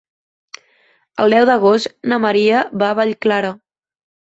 El deu d'agost na Maria va a Vallclara.